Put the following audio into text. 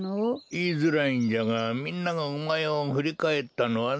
いいづらいんじゃがみんながおまえをふりかえったのはな。